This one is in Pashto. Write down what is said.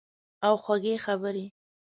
او خوږې خبرې